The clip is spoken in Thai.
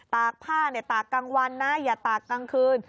ตากผ้าตากกลางวันนะอย่าตากกลางคืน